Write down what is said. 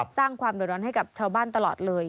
สร้างความโดดร้อนให้เท่าบ้านตลอดเลย